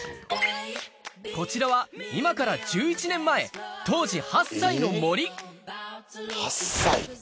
こちらは今から１１年前当時８歳の森８歳！